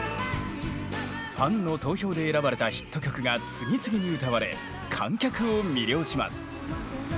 ファンの投票で選ばれたヒット曲が次々に歌われ観客を魅了します。